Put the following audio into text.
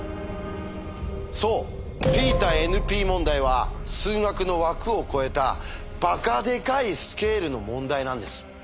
そうＰ対ＮＰ問題は数学の枠を超えたバカでかいスケールの問題なんです。